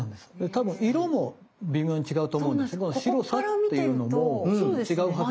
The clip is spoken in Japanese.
多分色も微妙に違うと思うんですけど白さっていうのも違うはずなんです。